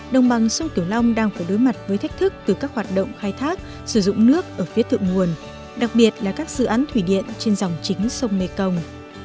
đồng bằng sông kiểu long đang phải đối mặt với thách thức từ các hoạt động khai thác sử dụng nước ở phía thượng nguồn đặc biệt là các dự án thủy điện trên dòng chính sông mekong